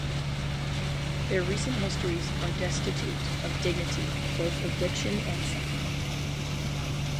Their recent histories are destitute of dignity, both of diction and sentiment.